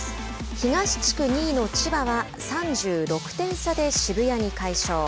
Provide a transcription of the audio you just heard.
東地区２位の千葉は３６点差で渋谷に快勝。